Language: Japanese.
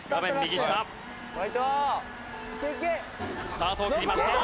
スタートを切りました。